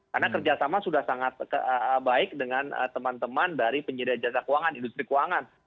karena kerjasama sudah sangat baik dengan teman teman dari penyedia jasa keuangan industri keuangan